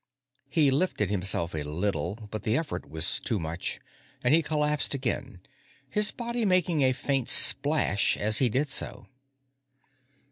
He lifted himself a little, but the effort was too much, and he collapsed again, his body making a faint splash as he did so.